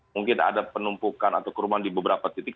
mungkin ada penumpukan atau kerumunan di beberapa titik